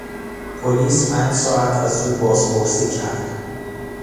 پلیس پنج ساعت از او بازپرسی کرد.